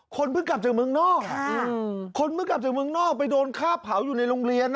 คนเพิ่งกลับจากเมืองนอกคนเมื่อกลับจากเมืองนอกไปโดนฆ่าเผาอยู่ในโรงเรียน